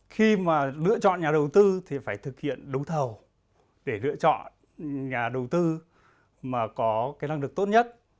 khi mà lựa chọn nhà đầu tư thì phải thực hiện đấu thầu để lựa chọn nhà đầu tư mà có cái năng lực tốt nhất